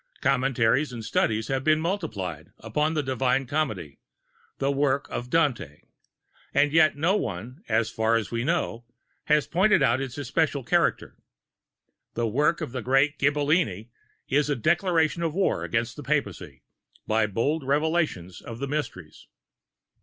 Commentaries and studies have been multiplied upon the Divine Comedy, the work of DANTE, and yet no one, so far as we know, has pointed out its especial character. The work of the great Ghibellin is a declaration of war against the Papacy, by bold revelations of the Mysteries.